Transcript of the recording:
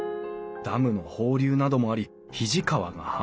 ダムの放流などもあり肱川が氾濫。